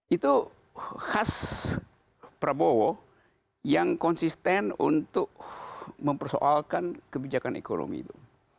itu khas prabowo yang konsisten untuk mempersoalkan kebijakan ekonomi itu